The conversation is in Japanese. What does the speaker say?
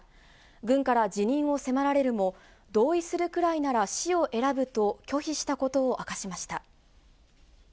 軍から辞任を迫られるも、同意するくらいなら死を選ぶと、拒否したことを明かしました。